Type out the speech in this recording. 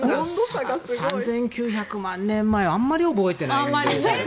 ３９００万年前あまり覚えてないですね。